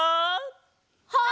はい！